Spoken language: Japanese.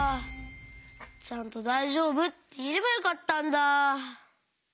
ちゃんと「だいじょうぶ？」っていえればよかったんだ。